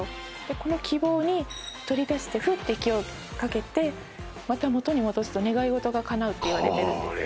この希望に取り出してフッて息をかけてまた元に戻すと願いごとがかなうっていわれてるんですこーれ